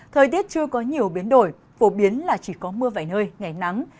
thời tiết chưa có nhiều biến đổi phổ biến là chỉ có mưa vài nơi ngày nắng